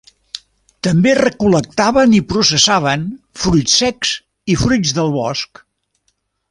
També recol·lectaven i processaven fruits secs i fruits del bosc.